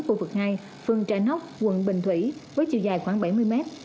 khu vực hai phường trà nóc quận bình thủy với chiều dài khoảng bảy mươi mét